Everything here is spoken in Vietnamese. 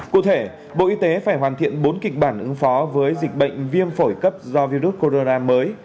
cụ thể bộ y tế phải hoàn thiện bốn kịch bản ứng phó với dịch bệnh viêm phổi cấp do virus corona mới